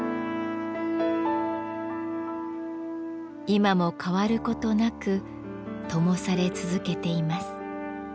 今も変わる事なくともされ続けています。